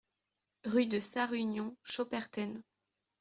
Rue de Sarre-Union, Schopperten